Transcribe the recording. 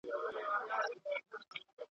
د زمريو په زانګوکي `